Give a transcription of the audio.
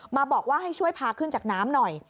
บอกว่าให้ช่วยพาขึ้นจากน้ำหน่อย